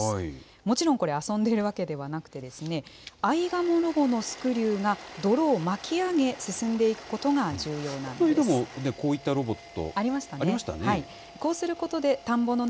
もちろん、これ、遊んでいるわけではなくて、アイガモロボのスクリューが泥を巻き上げ進んでいくことが重要なでも、こういったロボット。